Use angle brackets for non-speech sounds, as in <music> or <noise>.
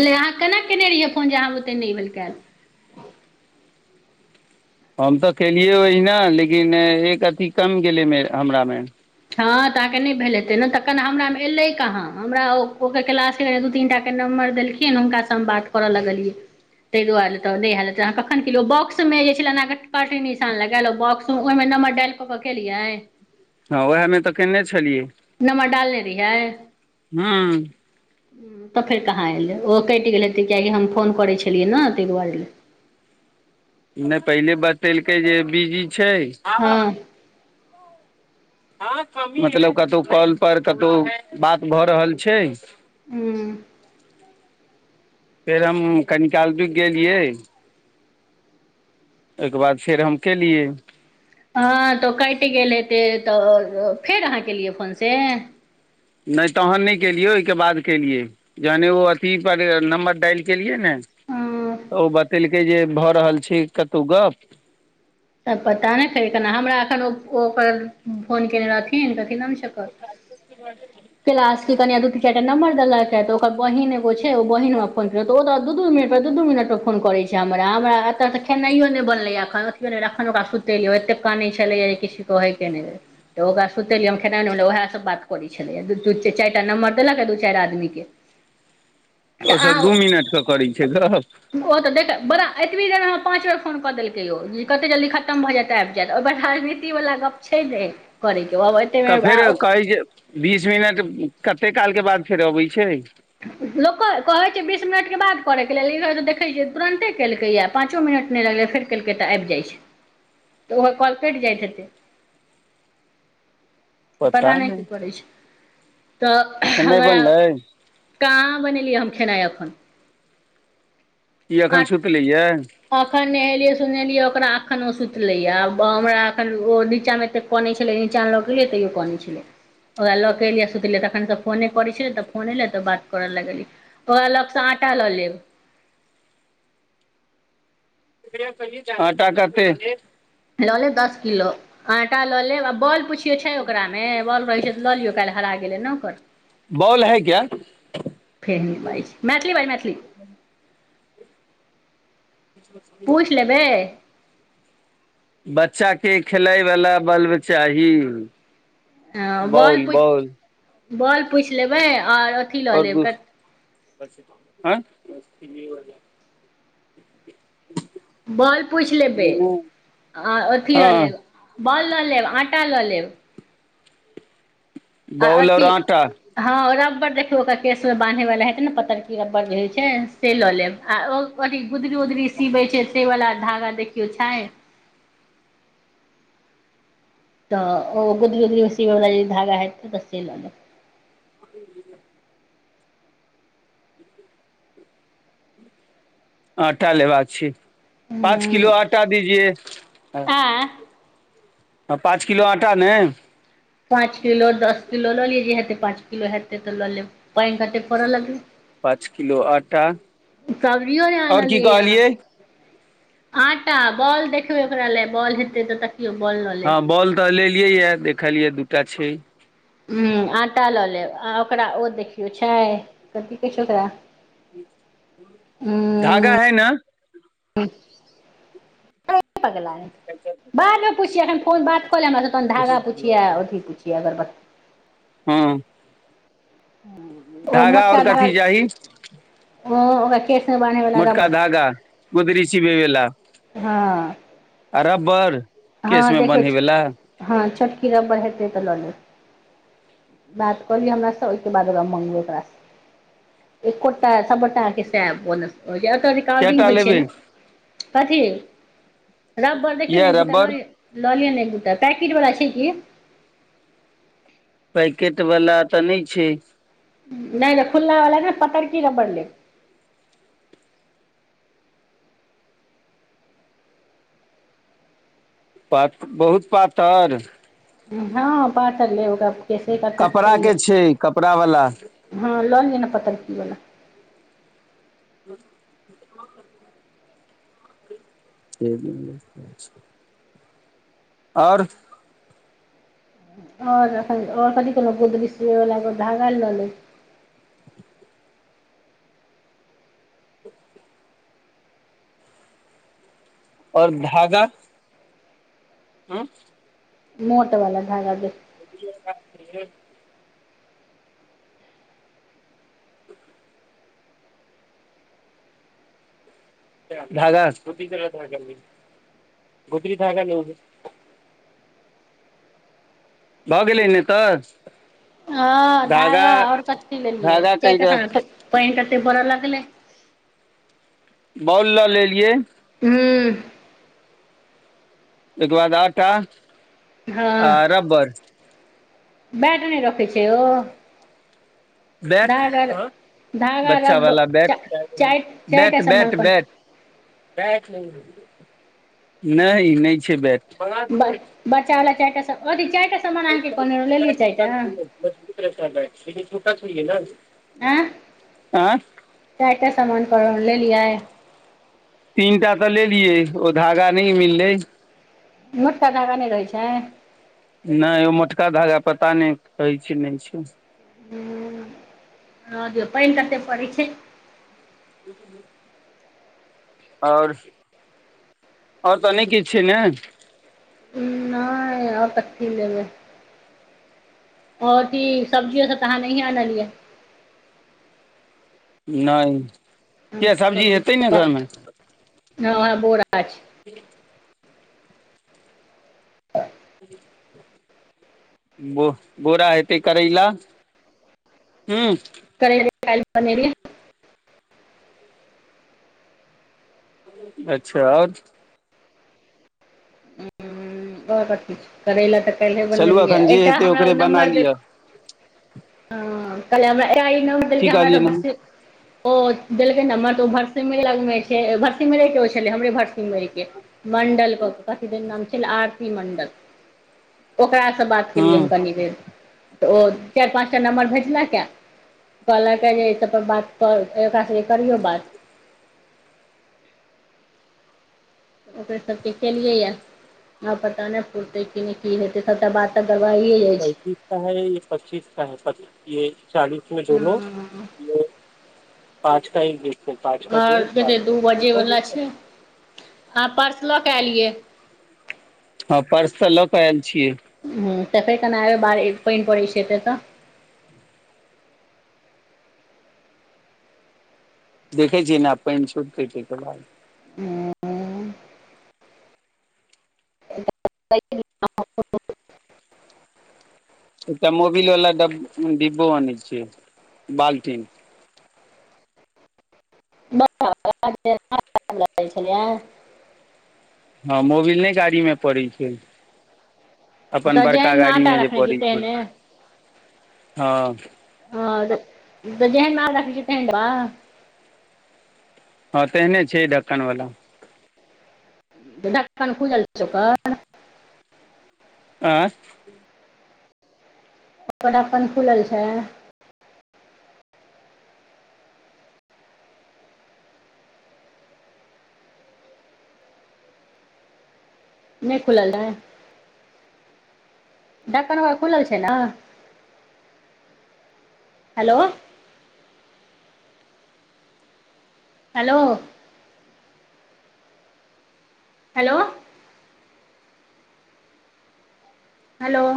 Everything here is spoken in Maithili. ल अहाँ केना केने रहियै फोन जे अहाँ बुत्ते नय भेल केऽल हम तऽ केलियै ओहिना लेकिन एक अथी कम गेलै हमरा मे हँ तऽ अहाँके नय भेल हेतै ने तखन हमरा मे एलै कहाँ हमरा ओकर क्लास फेर दू तीनटा के नंबर देलखिन हुनका से हम बात करऽ लगलियै तै दुआरे तऽ नय आयल हेऽतै तखन केलिय ओ बॉक्स मे जे छल कटी निशान लगायल ओ बॉक्स ओहोमे नम्बर डालि कऽ के केलियै हँ उएह मे तऽ केने छलियै नम्बर डालने रहियै हूँ तऽ फेर कहाँ एलै ओ कटि गेल हऽत कियकि हम फोन करै छलियै ने ताहि दुआरे लऽ नय पहिले बतेलकै जे बिजी छै हँ मतलब कतौ कॉल पर कतौ बात भऽ रहल छै हूं फेर हम कनिकाल रूकि गेलियै ओई के बाद फेर हम केलियै हँ तऽओ कटि गेल हेते तऽ फेर अहाँ केलियै फोन से नय तहन नय केलियै ओहिके बाद केलियै जहन ओ अथी पर नम्बर डायल केलियै न हँ तऽ ओ बतेलकै जे भऽ रहल छै कतौ गप तब पता नय छलै तऽन हमरा एखन ओ ओकर फोन केने रहथिन तऽ की अथी नाम छलय कैलाश के कनियां दू तीन चारिटा नम्बर देलथि हे तऽ ओकर बहिन ओछै ओ बहिन अपन रहय तऽ ओ दऽ दू दू मिनट पर दू दू मिनट मे फोन करै छै हमरा हमरा एतऽ तऽ खेनाइयो नय बनलै एखन फेर अखन ओकरा सुतेलियै एतेक कानय छलैए जे किछु कहे के नय र तऽ ओकरा सुतेलिय हम खेनाइ नै उएहसँ बात करै छलैए दूू चारिटा नम्बर देलक हें दू चारि आदमीके <inaudible> ओसभ दू अहाँ मिनट कऽ करै छै गप ओ तऽ देतऽ बड़ा एतबी देर मे पाँच बेर फोन कऽ देलकै यौ कते जल्दी खतम भऽ जायत आबिजायत ओहिर राजनीति वला गप्प छै नय करै के तऽ देर कहै छै बीस मिनट कते काल के बाद फेर अबै छै लोक कऽ कहै छै बीस मिनट के बाद करै के लेल ई तऽ देखै छियै तुरन्ते केलकैए पाँचो मिनट नय लगलै फेर केलकै तऽ आबि जाइ छै तऽ ओहो कॉल कटि जाइत हेतै पता नय की करै छै तऽ खेनाइ हमरा बनलै काहाँ बनेलियै हम खेनाइ एखन ई एखन आठ सुतले यऽ अखन नहेलियै सुनेलियै ओकरा एखन ओ सुतलै यऽ आ हमरा एखन ओ नीचामे एतेक कनै छलै नीचा लऽ गेलियै तैयो कानै छलै। ओकरा लऽ केँ एलियै सुतलीयै तखन तऽ फोने करै छै त फोन एले तऽ बात करऽ लगली ओ लग सँ आटा लऽ लेब आटा कते लऽ लेब दस किलो आटा लऽ लेब आ बॉल पु छियो छै ओकरा मे बाल रहै छै तऽ लऽ लियौ काइल हरा गेलै नऽ ओकर <unintelligible> फेर हिन्दी बाजै छै मैथिली बाज मैथिली <inaudible> पूइछ लेबै बच्चा केँ खेलाय बला बल्ब चाही बॉल - बॉल बॉल लेबै आओर अथी लऽ आओर लेब <unintelligible> <unintelligible> बॉल पुइछ लेबै आ आथी लऽ हँ लेब बॉल लऽ लेब आटा लऽ लेब आ बॉल आओर अथी आटा हँ रब्बर देखियौ ओकर केशमे बान्है वला हेतै नऽ पतरकी रब्बर जे होइ छै से लऽ लेब आ ओ अथी गुदरी उदरी सिबे छै से बला धागा देखियौ छै तऽ ओ गोदरी गोदरी सिबैय बला जे धागा हेतै तऽ से लऽ लेब <inaudible> आटा लेबाक छै पाँच किलो आटा दीजिये आ हँ पाँच किलो आटा नै पाँच किलो दस किलो लऽ लि जे हेते पाँच किलो हेते तऽ लऽ लेब पाइन कते फड़ऽ लगगै पाँच किलो आटा सब्जियो नय आओर की आनलिये अहाँ कहलियै आटा बॉल देखबै ओकरा लेऽ बॉल हेतै तऽ देखियै बॉल लऽ लेब हँ बॉल तऽ लेलियै य देखलिये दूटा छै हुँ आटा लऽ लेब आ ओकरा ओ देखियौ छै कथी कहै छै ओकरा <inaudible> धागा है नऽ धौ पगल नम तऽ बादमे पुछिये एखन फोन बात कऽ ले हमर सँ अपन धागा पुछिये आ अथी पुछिये अगरबती हँ ओ धागा और मोटका घाग कथी चाही ओ ओकरा केस मऽ बानहैय मोटका धागा गुदरी सिबैय वला हँ आ रब्बर हँ देखबैय हँ छोटकी रमबर हेतै तऽ लऽ लेब बात कऽ लियै हमर से ओहि केँ बाद ओकरा मंगगबै ओकरासँ एकोटा सबट सबा के सैह एत रिकॉर्डिंग केटा होइ छै लेबै नऽ कथी रबबर देखियौ यैह नऽ रबड़ ले येलियन एक दूटा पैकेट वलाा छै कि पैकेट वला तऽ नहि छै नै नै खुल्ला वला न पतरकी रब्बर ले प बहुत पातर हँ पातर ले ओकरा केसे काटैके कपड़ा छैहे के छै कपड़ा वाला हँ लऽ लिय न पतरकी बला ह्म <inaudible> आओर आओर आओर कथि करबै गुदरी सियैबाला धागा लऽ लिय आओर धागा आँ मोट वला धागा देख <inaudible> धागा गुदरी धागा भऽ गेलै न तऽ हं धागा आओर कथि लेलियै धागा कहि चाइर टा रह समान पैन कते पड़ऽ लगलै बॉल लऽ लेलियै हूँ तैके बाद आटा हँ आ रब्बर र बैट नहि रखै छै ओ बेएट धागा धागा बच्चा रब वाला बेएट चा चारि चारिटा बेएट सामान बेएट कोन बेएट बेएट नहि नहि छै बेएट ब बच्चावला चारि टा अथी चारि टा समान अहाँके कहने रहउ लेलियै चारिटा <inaudible> आँ आँ चाइटा सामान कहने रहउ लेलियै तीनटा तऽ लेलियै--ओ धागा नहि मिललै मोटका धागा नहि रहै छै नहि ओ मोटका धागा पता नहि कहै छै नहि छै हू रह दियो पाइन कते परै छै न <unintelligible> आओर आओर तऽ नय किछु छै ने नाय आओर कथी लेबै आओर की सब्जियो सब त अहाँ नहिये आनलियै नहि किया सब्जी हेतै ने घरमे हँ हँ बोरा छै <unintelligible> <unintelligible> <unintelligible> बो बोरा हेतै करैला हं करैला काइल बनेलिए अच्छा आओर आओर कथी छै करेला तऽ काल्हि चलू बनेलियै एखन जे एकटा हेतै हमरा ओकरे बना नम्बर लिअ <inaudible> ओ देलकै नमर की कहलियै ने तऽ ओ भरसिमर भरसिमरे के छले हमरे भरसिमर के मंडल क के कथि दिन नाम छै आरती मंडल ओकरासँ बात केलियै हूँ हम कनि देर तऽ ओ चारि पाँच नम्बर भेजलक कहलक अय कहलक जे एकरा सबसे करियौ बात ओकरे सबके केलियै य आब पता नय पुरतै कि नय की हेतै सभटा बात तऽ दबाइए जाइ छै पचीस का हँ <unintelligible> पाँच का एक आर केते दू बजे वला छै हँ पर्स लऽ के एलियै हँ पर्स तऽ लऽ के आयल छियै हुँ तऽ फेर केना एबै बाहर पाइन पड़ै छै एतऽ तऽ देखै छी ने पइन छूटतै तेकर बाद हुँ। <unintelligible> एकटा मोबिल वाला डिब्बो आनै छियै बाल्टिन <unintelligible> छलै ये। हाँ मोबिल नै गाड़ी मे पड़ै छै। अपन तऽ बड़का जेहनमे गाड़ी आटा मे जे रखने छी पड़ै छै, तेहने हां। हाँ तऽ जेहेन माल देखै छीयै तेहेन क <unintelligible> हाँ तेहने छै ढक्कन वला। तऽ ढक्कन खुलल छै ओकर आँय ओकर ढक्कन खुलल छै। नै खुलल रहै। ढक्कन ओकर खुलल छै न? हेलो। हैलो। हेलो। हेलो।